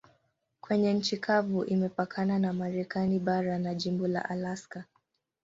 Kwenye nchi kavu imepakana na Marekani bara na jimbo la Alaska.